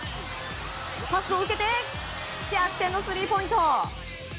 パスを受けて逆転のスリーポイント。